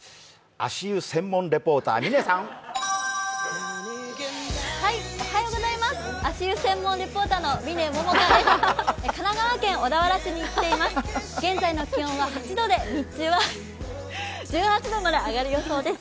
足湯専門リポーターの嶺百花です。